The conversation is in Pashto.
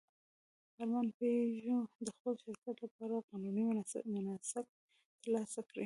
ارمان پيژو د خپل شرکت لپاره قانوني مناسک ترسره کړل.